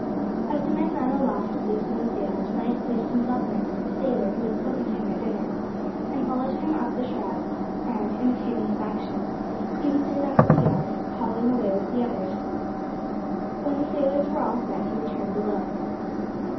As the men ran aloft to loosen the sails, Frank placed himself next to the sailor who had spoken to him at dinner, and followed him up the shrouds, and, imitating his actions, he was soon out on the yard hauling away with the others. When the sails were all set he returned below.